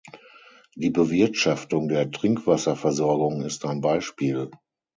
Die Bewirtschaftung der Trinkwasserversorgung ist ein Beispiel.